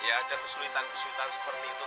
ya ada kesulitan kesulitan seperti itu